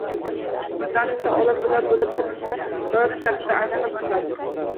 Ko‘zlari esa ola-bula bo‘lib, tinimsiz, doira shaklida aylana boshladi.